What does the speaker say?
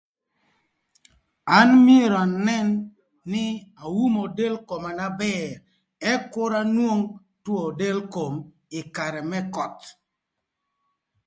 An myero anën nï aumo del koma na bër ëk kür anwong two del kom ï karë më köth.